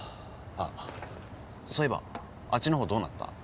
あそういえばあっちの方どうなった？